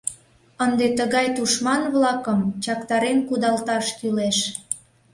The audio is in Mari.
Ынде тыгай тушман-влакым чактарен кудалташ кӱлеш.